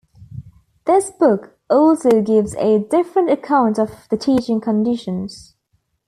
This book also gives a different account of the teaching conditions.